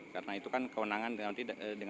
karena itu kan kewenangan nanti